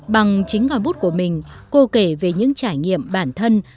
bằng chính ngòi bút của mình cô kể về những trải nghiệm bản thân